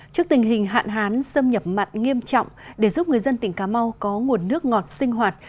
trước tình hình hạn hán xâm nhập mặn nghiêm trọng để giúp người dân tỉnh cà mau có nguồn nước ngọt sinh hoạt